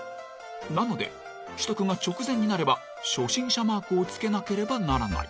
なので、取得が直前になれば初心者マークをつけなければならない。